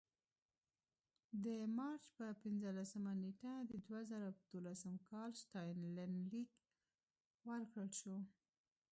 د مارچ په پنځمه نېټه د دوه زره دولسم کال ستاینلیک ورکړل شو.